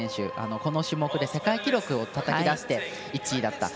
この種目で世界記録をたたき出して１位だった。